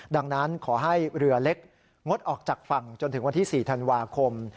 ดังนั้นขอให้เรือเล็กงดออกจากฝั่งจนถึงวันที่๔ธันวาคม